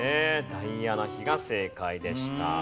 ダイアナ妃が正解でした。